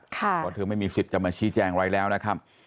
เพราะเธอไม่มีสิทธิ์จะมาชี้แจงอะไรแล้วนะครับ